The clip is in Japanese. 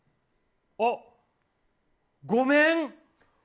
あっ、ごめん。